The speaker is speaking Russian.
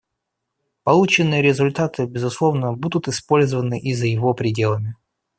Полученные результаты, безусловно, будут использованы и за его пределами.